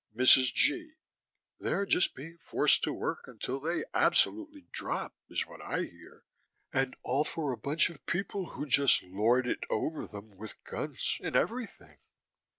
MRS. G.: They're just being forced to work until they absolutely drop, is what I hear. And all for a bunch of people who just lord it over them with guns and everything.